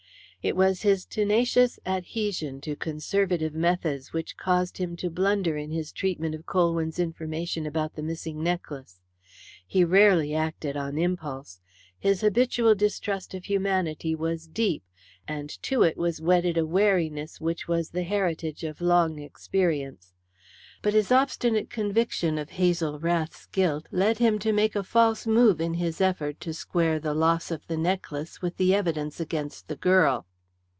It was his tenacious adhesion to conservative methods which caused him to blunder in his treatment of Colwyn's information about the missing necklace. He rarely acted on impulse. His habitual distrust of humanity was deep, and to it was wedded a wariness which was the heritage of long experience. But his obstinate conviction of Hazel Rath's guilt led him to make a false move in his effort to square the loss of the necklace with the evidence against the girl.